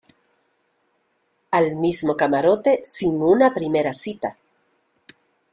al mismo camarote sin una primera cita.